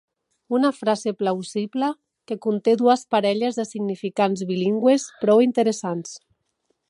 Una frase plausible que conté dues parelles de significants bilingües prou interessants.